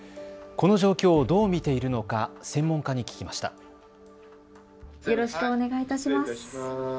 この状況をどう見ているのか専門家に聞きました。